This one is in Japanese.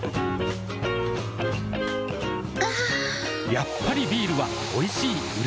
やっぱりビールはおいしい、うれしい。